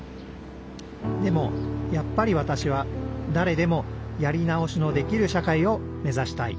でもやっぱりわたしはだれでもやり直しのできる社会を目指したい。